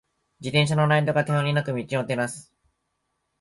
自転車のライトが、頼りなく道を照らす。